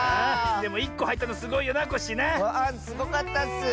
でも１こはいったのすごいよなコッシーな。わすごかったッス！